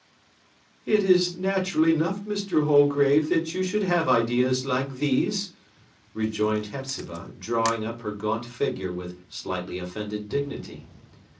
"It is natural enough, Mr. Holgrave, that you should have ideas like these," rejoined Hepzibah, drawing up her gaunt figure with slightly offended dignity.